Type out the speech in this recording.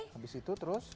habis itu terus